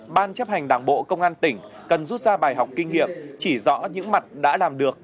ban chấp hành đảng bộ công an tỉnh cần rút ra bài học kinh nghiệm chỉ rõ những mặt đã làm được